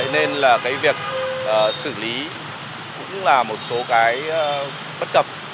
nên là cái việc xử lý cũng là một số cái bất cập